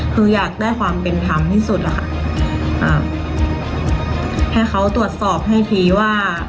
คืออยากได้ความเป็นธรรมที่สุดอะค่ะอ่าให้เขาตรวจสอบให้ทีว่า